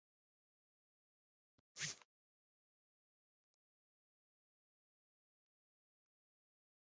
শহরটি পশ্চিম অসমে ব্রহ্মপুত্র নদের তীরে, মেঘালয় অঙ্গরাজ্যের সাথে সীমান্তের কাছে অবস্থিত।